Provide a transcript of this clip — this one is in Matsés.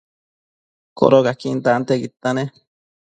Codocaquin tantiaquidta nec